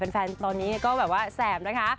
แฟนตอนนี้ก็แบบว่าแสบนะคะ